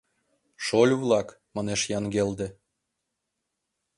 — Шольо-влак! — манеш Янгелде.